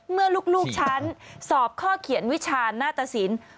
เมื่อลูกฉันสอบข้อเขียนวิชาหน้าตสิน